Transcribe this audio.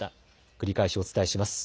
繰り返しお伝えします。